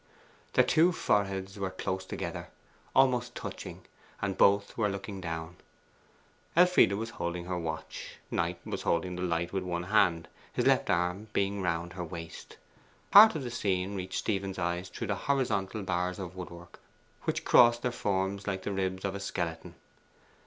Their two foreheads were close together, almost touching, and both were looking down. Elfride was holding her watch, Knight was holding the light with one hand, his left arm being round her waist. Part of the scene reached Stephen's eyes through the horizontal bars of woodwork, which crossed their forms like the ribs of a skeleton.